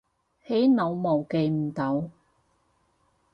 起腦霧記唔到